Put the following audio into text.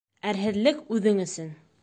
Әрһеҙлек үҙең өсөн